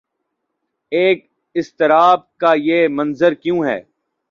آج اضطراب کا یہ منظر کیوں ہے؟